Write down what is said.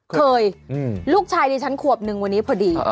เคยลูกชายดีฉันควบ๑วันนี้พอดี